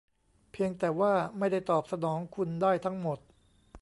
เพียงแต่ว่าไม่ได้ตอบสนองคุณได้ทั้งหมด